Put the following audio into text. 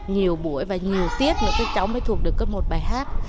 nhiều buổi và nhiều tiết nữa các cháu mới thuộc được có một bài hát